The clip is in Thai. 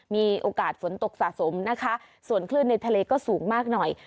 มีโอกาสฝนตกสะสมนะคะส่วนคลื่นในทะเลก็สูงมากหน่อย